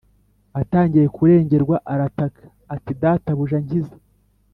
atangiye kurengerwa arataka ati Databuja nkiza